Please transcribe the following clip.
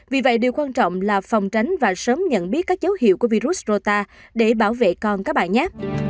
vì vậy điều quan trọng là phòng tránh và sớm nhận biết các dấu hiệu của virus rota để bảo vệ con các bài nhát